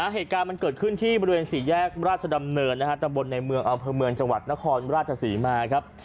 เหตุการณ์มันเกิดขึ้นที่บริเวณสี่แยกราชดำเนินตำบลในเมืองอำเภอเมืองจังหวัดนครราชศรีมาครับ